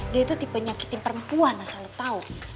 dia itu tipe nyakitin perempuan asal lo tau